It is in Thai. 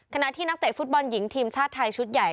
ขณะที่นักเตะฟุตบอลหญิงทีมชาติไทยชุดใหญ่